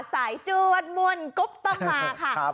สายจวดมุ่นกุ๊บต้องมาค่ะ